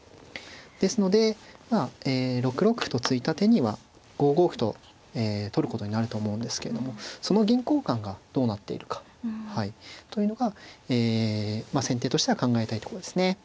ですので６六歩と突いた手には５五歩と取ることになると思うんですけれどもその銀交換がどうなっているかというのが先手としては考えたいとこですね。